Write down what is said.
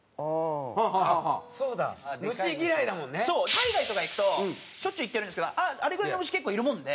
海外とか行くとしょっちゅう行ってるんですけどあれぐらいの虫結構いるもんで。